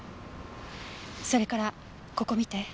それからここ見て。